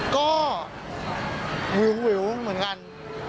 ก็วิวเหมือนกัน